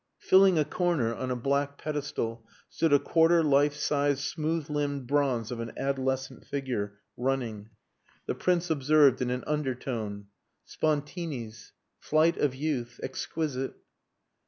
Filling a corner, on a black pedestal, stood a quarter life size smooth limbed bronze of an adolescent figure, running. The Prince observed in an undertone "Spontini's. 'Flight of Youth.' Exquisite."